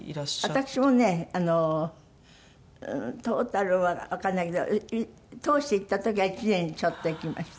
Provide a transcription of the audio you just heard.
私もねトータルはわかんないけど通して行った時は１年ちょっと行きました。